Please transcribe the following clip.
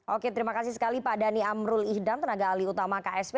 oke terima kasih sekali pak dhani amrul ihdam tenaga alih utama ksp